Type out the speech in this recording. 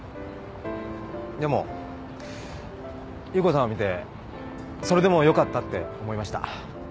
でも優子さんを見てそれでもよかったって思いました。